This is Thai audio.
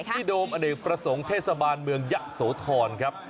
โดมอเนกประสงค์เทศบาลเมืองยะโสธรครับ